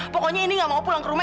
pokoknya indi gak mau pulang ke rumah